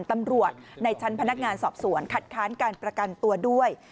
ในชั้นพนักงานสอบสวนคัดค้านการประกันตัวด้วย